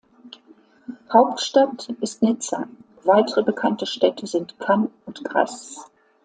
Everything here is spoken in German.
Hauptstadt ist Nizza, weitere bekannte Städte sind Cannes und Grasse.